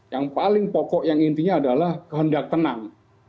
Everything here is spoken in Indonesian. yang paling pokok yang intinya adalah kehendak tenang